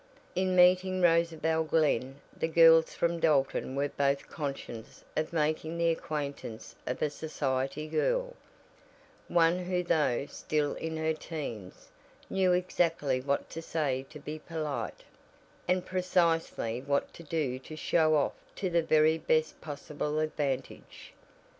In meeting Rosabel Glen the girls from Dalton were both conscious of making the acquaintance of a society girl, one who though still in her teens, knew exactly what to say to be polite, and precisely what to do to show off to the very best possible advantage.